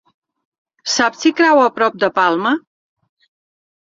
Saps si cau a prop de Palma?